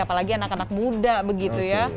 apalagi anak anak muda begitu ya